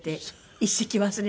一式忘れて。